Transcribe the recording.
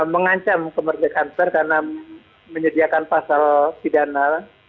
mengancam kemerdekaan per karena menyediakan pasal pidana